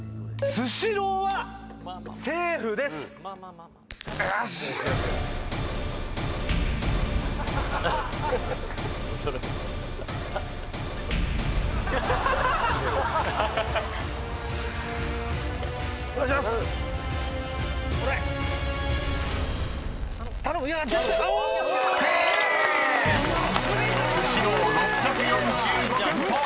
［スシロー６４５店舗］